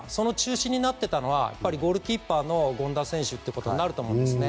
その中心になってたのはゴールキーパーの権田選手ということになると思いますね。